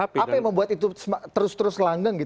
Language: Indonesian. apa yang membuat itu terus terus langgang